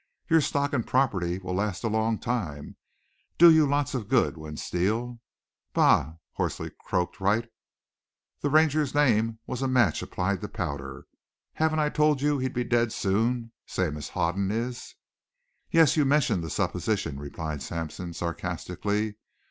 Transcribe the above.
"Your stock and property will last a long time do you lots of good when Steele " "Bah!" hoarsely croaked Wright. The Ranger's name was a match applied to powder. "Haven't I told you he'd be dead soon same as Hoden is?" "Yes, you mentioned the supposition," replied Sampson sarcastically.